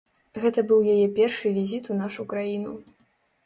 Гэта быў яе першы візіт у нашу краіну.